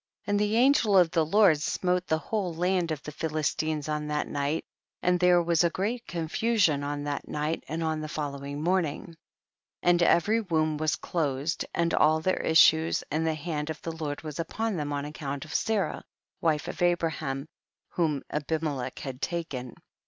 And the angel of the Lord smote the whole land of the Philis tines on that night, and there was a great confusion on that night and on the following morning. 17. And every womb w^as closed, and all their issues, and the hand of the Lord was upon them on account of Sarah, wife of Abraham, whom Abimelech had taken. 18.